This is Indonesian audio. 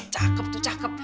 cakep tuh cakep